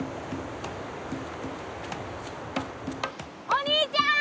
お兄ちゃん！